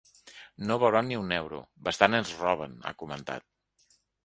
No veuran ni un euro, bastant ens roben, ha comentat.